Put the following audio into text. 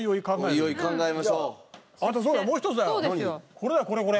これだよこれこれ。